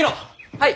はい。